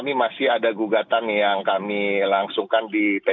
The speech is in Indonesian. j ifps personagemnya bertulis lagi yang bertmittelan jadi indah ini